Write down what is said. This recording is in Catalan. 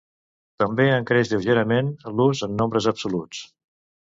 També en creix lleugerament l'ús en nombres absoluts.